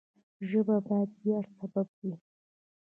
ژبه باید د ویاړ سبب وي.